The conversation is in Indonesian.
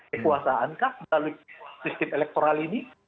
kekuasaankah melalui sistem elektoral ini